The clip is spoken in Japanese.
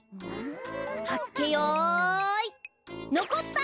はっけよいのこった！